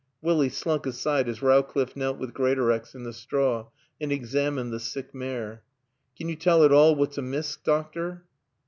Willie slunk aside as Rowcliffe knelt with Greatorex in the straw and examined the sick mare. "Can yo tell at all what's amiss, doctor?"